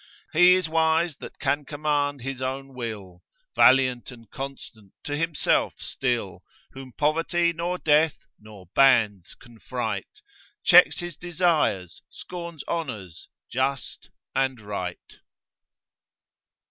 He is wise that can command his own will, Valiant and constant to himself still, Whom poverty nor death, nor bands can fright, Checks his desires, scorns honours, just and right.